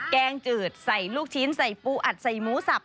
แกงจืดใส่ลูกชิ้นใส่ปูอัดใส่หมูสับ